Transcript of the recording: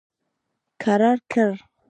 کرار کړ.